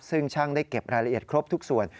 ซึ่งช่างได้เก็บรายละเอียดครบทุกส่วน